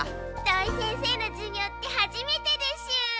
土井先生の授業ってはじめてです！